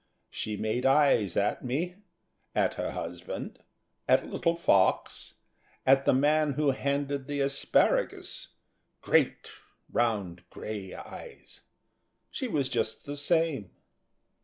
She made eyes at me; at her husband; at little Fox, at the man who handed the asparagus great round grey eyes. She was just the same.